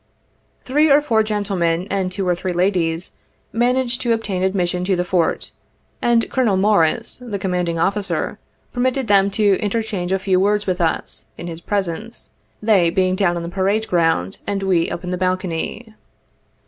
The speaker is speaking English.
Three or four gentlemen and two or three ladies managed to obtain admission to the Fort, and Col. Morris, the commanding officer, permitted them to interchange a few words with us, in his presence, they being down on the parade ground and we up in the balcony.